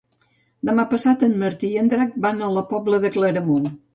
Demà passat en Martí i en Drac van a la Pobla de Claramunt.